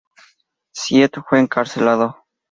Syed fue encarcelado.